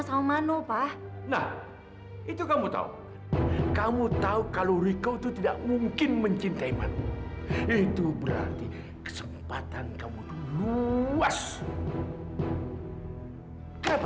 sampai jumpa di video selanjutnya